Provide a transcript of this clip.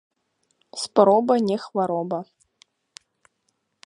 Спроба не хвароба